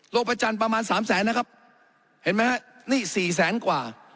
ประจันทร์ประมาณสามแสนนะครับเห็นไหมฮะนี่สี่แสนกว่า